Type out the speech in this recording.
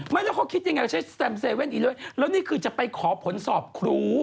ไม่แล้วเค้าคิดยังไงว่าใช้แซม๗อีกเลยแล้วนี่คือจะไปขอผลสอบครู